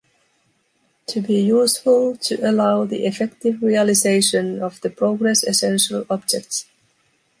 To be useful to allow the effective realization of the progress essential objects.